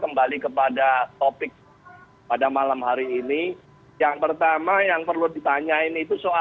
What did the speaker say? ketua dpp pdi perjuangan